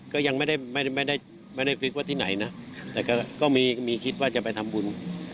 ก็ยังไม่ได้ไม่ได้ฟิตว่าที่ไหนนะแต่ก็มีคิดว่าจะไปทำบุญ